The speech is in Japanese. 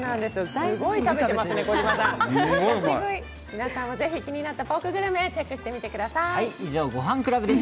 皆さんもぜひ、気になったポークグルメ、試してみてください。